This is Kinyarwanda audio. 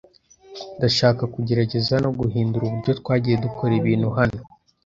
Ndashaka kugerageza no guhindura uburyo twagiye dukora ibintu hano.